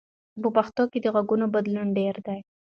په پښتو کې د غږونو بدلون ډېر دی.